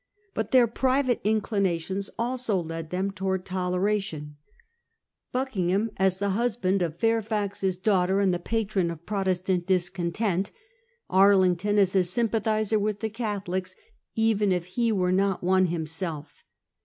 But their private inclinations 1 66 Contest regarding Toleration, 1667. also led them towards toleration ; Buckingham, as the husband of Fairfax's daughter, and the patron of Protes tant discontent; Arlington, as a sympathiser with the Catholics, even if he were not one himself.